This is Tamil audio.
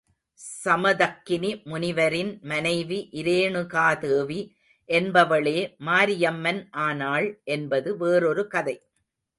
சமதக்கினி முனிவரின் மனைவி இரேணுகாதேவி என்பவளே மாரியம்மன் ஆனாள் என்பது வேறொரு கதை.